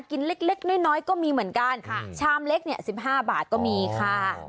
กินเล็กเล็กน้อยน้อยก็มีเหมือนกันค่ะชามเล็กเนี้ยสิบห้าบาทก็มีค่ะ